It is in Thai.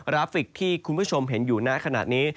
ราฟิกที่คุณผู้ชมเห็นอยู่หน้าขณะนี้